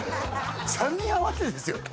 ３人合わせてですよ？